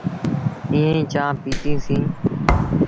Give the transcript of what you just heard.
ائيٚݩ چآنه پيٚتيٚسيٚݩ۔